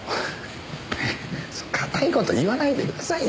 そう堅い事言わないでくださいよ。